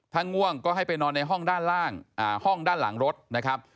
ถ้าง่วงก็ให้ไปนอนในห้องด้านหลังรถนะครับ